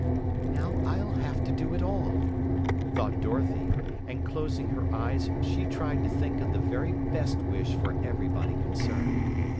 "Now I'll have to do it all," thought Dorothy, and closing her eyes she tried to think of the very best wish for everybody concerned.